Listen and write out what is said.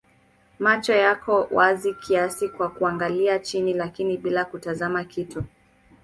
Macho yako wazi kiasi kwa kuangalia chini lakini bila kutazama kitu.